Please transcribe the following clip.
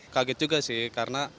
kaget juga sih karena